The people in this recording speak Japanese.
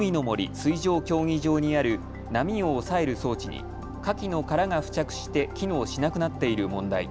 水上競技場にある波を抑える装置にかきの殻が付着して機能しなくなっている問題。